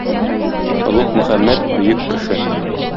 Олуг Мөхәммәд - бөек кеше.